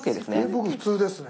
僕普通ですね。